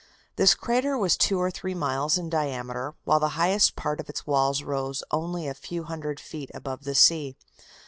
This crater was two or three miles in diameter, while the highest part of its walls rose only a few hundred feet above the sea.